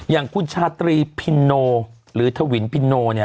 อย่างคุณชาตรีพินโนหรือทวินพินโนเนี่ย